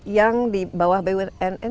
yang di bawah bumn